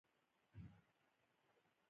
د مار د نیولو لپاره د دښمن د لاس څخه کار واخله.